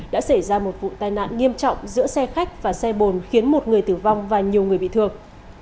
đã xảy ra một vụ tai nạn nghiêm trọng giữa xe khách và xe bồn khiến một người tử vong và nhiều người bị thương